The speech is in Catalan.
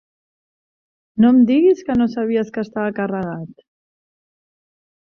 No em diguis que no sabies que estava carregat.